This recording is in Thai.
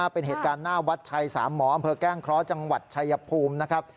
เป็นเหตุการณ์หน้าวัดชัยสามหมออำเภอแก้งเคราะห์จังหวัดชายภูมินะครับ